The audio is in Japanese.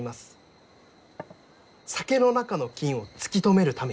酒の中の菌を突き止めるために。